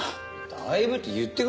だいぶって。